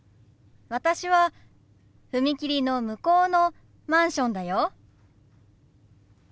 私は踏切の向こうのマンションだよ。